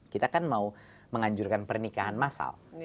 kita kan mau menganjurkan pernikahan masal